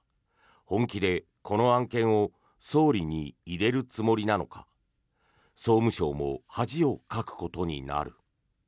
本気でこの案件を総理に入れるつもりなのか総務省も恥をかくことになる。